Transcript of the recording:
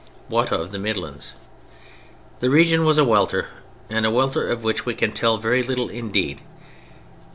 What of the Midlands? The region was a welter, and a welter of which we can tell very little indeed.